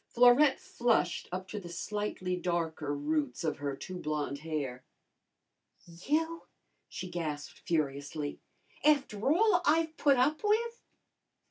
Florette flushed up to the slightly darker roots of her too blonde hair. "You?" she gasped furiously. "After all I've put up with!"